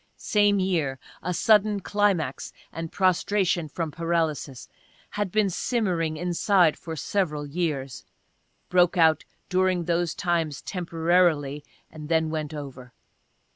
Same year, a sudden climax and prostration from paralysis. Had been simmering inside for several years; broke out during those times temporarily and then went over.